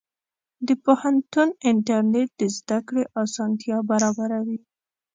د پوهنتون انټرنېټ د زده کړې اسانتیا برابروي.